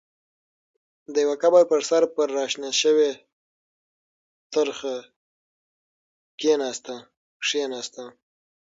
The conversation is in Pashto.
د يوه قبر پر سر پر را شنه شوې ترخه کېناسته.